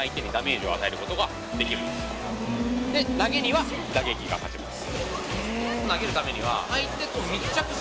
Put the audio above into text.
投げには打撃が勝ちます。